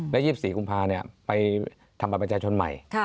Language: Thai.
และ๒๔กุมภาไปทำบัตรประชาชนใหม่